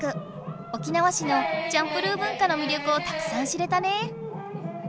沖縄市のチャンプルー文化のみりょくをたくさん知れたね。